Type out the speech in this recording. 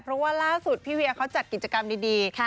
เพราะว่าล่าสุดพี่เวียเขาจัดกิจกรรมดี